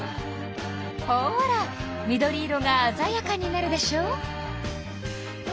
ほら緑色があざやかになるでしょう？